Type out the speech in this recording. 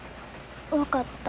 分かった。